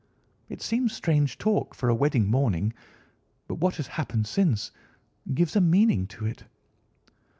It seemed strange talk for a wedding morning, but what has happened since gives a meaning to it."